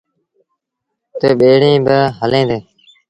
تا ٻيڙيٚن با هليݩ ديٚݩ۔